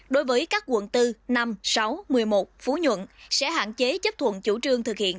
đối với các quận bốn năm sáu một mươi một phú nhuận sẽ hạn chế chấp thuận chủ trương thực hiện